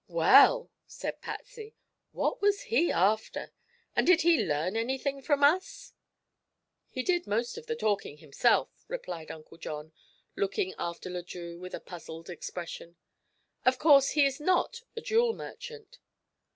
"Well," said Patsy. "what was he after? And did he learn anything from us?" "He did most of the talking himself," replied Uncle John, looking after Le Drieux with a puzzled expression. "Of course he is not a jewel merchant."